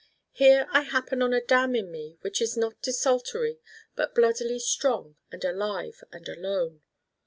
Here I happen on a damn in me which is not desultory but bloodily strong and alive and alone.